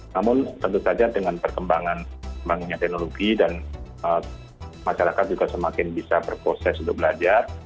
namun tentu saja dengan perkembangan teknologi dan masyarakat juga semakin bisa berproses untuk belajar